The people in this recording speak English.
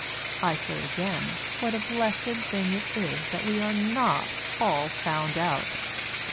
I say again what a blessed thing it is that we are not all found out